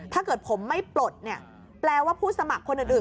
ถ้าเกิดผมไม่ปลดเนี่ยแปลว่าผู้สมัครคนอื่น